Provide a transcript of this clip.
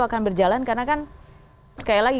akan berjalan karena kan sekali lagi